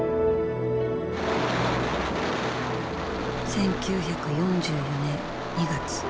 １９４４年２月。